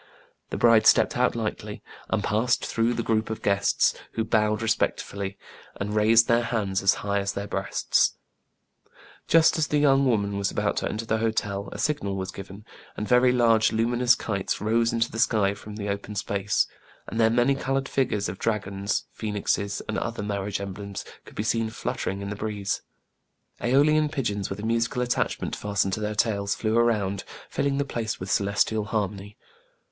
The bride stepped out lightly, and passed through the group of guests, who bowed respectfully, and raised their hands as high as their breasts. Just as the young woman was about to enter the hotel, a signal was given, and very large luminous kites rose into the sky from the open space ; and 174 TRIBULATIONS OF A CHINAMAN, their many colored figures of dragons, phoenixes, and other marriage emblems, could be seen flutter ing in the breeze. ^Eolian pigeons, with a musical attachment fastened to their tails, flew around, fill ing the place with celestial harmony.